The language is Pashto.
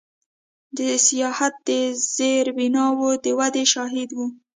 د سیاحت د زیربناوو د ودې شاهد و.